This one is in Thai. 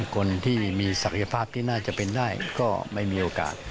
คนที่มีศักยภาพที่น่าจะเป็นได้ก็ไม่มีโอกาส